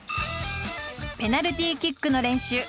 ペナルティーキックの練習。